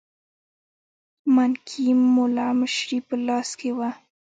مانکي مُلا مشري په لاس کې وه.